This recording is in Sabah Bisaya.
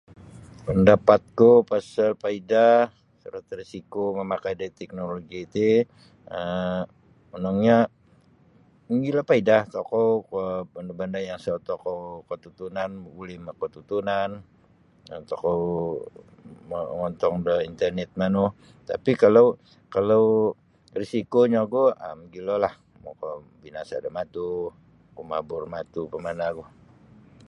Pendapatku pasal paidah sarata risiko memakai ru teknologi ti, um monongnya mogilo paidah tokou kuo um banda-banda yang sa tokou katutunan buli katutunan tokou mongontong da intenet manu tapi kalau kalau risiko nyo ogu um mogilolah tokou binaso do matu kumabur matu kumana ogu